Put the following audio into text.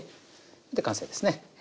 で完成ですね。